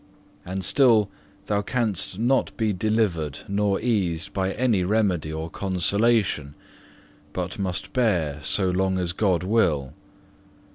And still thou canst not be delivered nor eased by any remedy or consolation, but must bear so long as God will.